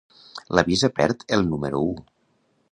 La visa perd el número u.